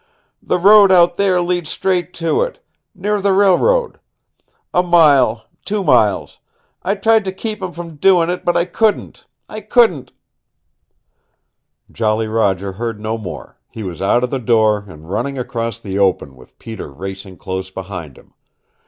"The road out there leads straight to it. Near the railroad. A mile. Two miles. I tried to keep him from doin' it, but I couldn't I couldn't " Jolly Roger heard no more. He was out of the door, and running across the open, with Peter racing close behind him.